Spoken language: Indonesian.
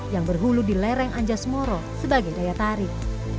yang berhulu di lereng anjas moro sebagai daya tarik